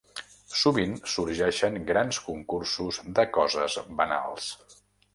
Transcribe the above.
Sovint sorgeixen gran concursos de coses banals.